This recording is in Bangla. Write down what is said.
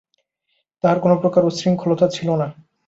তাঁহার কোনোপ্রকার উচ্ছৃঙ্খলতা ছিল না।